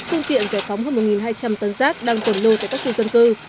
thương tiện giải phóng hơn một hai trăm linh tấn rác đang tổn lưu tại các khu dân cư